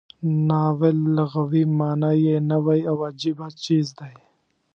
ناول لغوي معنا یې نوی او عجیبه څیز دی.